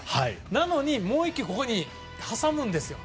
なのに、もう１球ここに挟むんですよ。